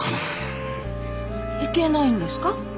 いけないんですか？